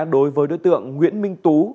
đối với đối tượng nguyễn minh tú